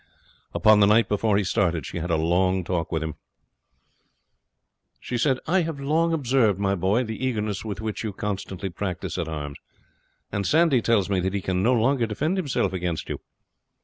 Upon the night before he started she had a long talk with him. "I have long observed, my boy," she said, "the eagerness with which you constantly practise at arms; and Sandy tells me that he can no longer defend himself against you.